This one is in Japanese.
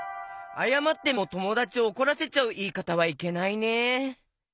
あやまってもともだちをおこらせちゃういいかたはいけないね。